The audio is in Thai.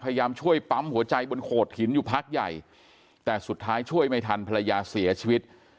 พยายามช่วยปั๊มหัวใจบนโขดหินอยู่พักใหญ่แต่สุดท้ายช่วยไม่ทันภรรยาเสียชีวิต